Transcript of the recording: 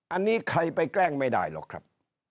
อันนี้ใครไปแกล้งไม่ได้หรอกครับ